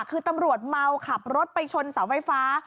คือตำรวจเมาขับรถไปชนเสาไฟฟ้า